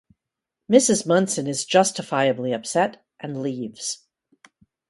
Mrs. Munson is justifiably upset, and leaves.